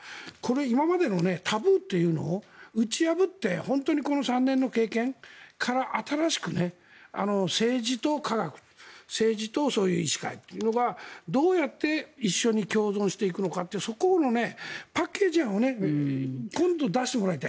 今までのタブーというのを打ち破って、本当にこの３年の経験から新しく政治と科学、政治とそういう医師会というのがどうやって一緒に共存していくのかっていうそこのパッケージ案を今度は出してもらいたい。